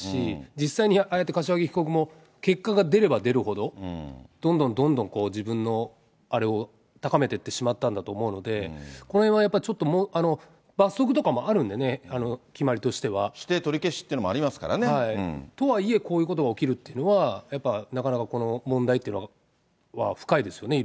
実際にああやって、柏木被告も、結果が出れば出るほど、どんどんどんどん自分のあれを高めていってしまったんだと思うので、このへんはやっぱちょっと、罰則とかもあるんでね、決まりと規定取り消しというのもありとはいえ、こういうことが起きるというのは、やっぱりなかなかこの問題というのは深いですよね、